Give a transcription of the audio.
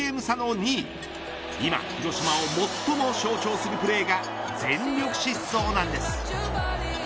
２番広島を最も象徴するプレーが全力疾走なんです。